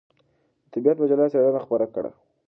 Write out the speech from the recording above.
د طبعیت مجله څېړنه خپره کړه.